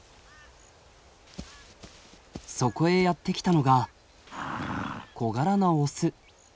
そこへやって来たのが小柄なオス。